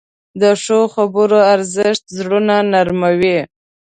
د ښو خبرو ارزښت زړونه نرموې.